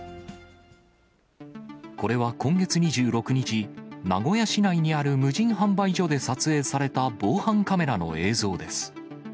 これは今月２６日、名古屋市内にある無人販売所で撮影された防犯カメラの映像です。